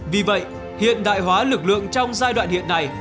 vì vậy hiện đại hóa lực lượng trong giai đoạn hiện nay